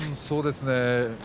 そうですね。